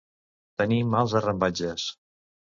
Tenir mals arrambatges.